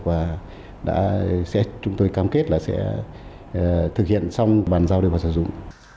và đã sẽ chúng tôi cam kết là sẽ thực hiện xong bàn giao đều và sử dụng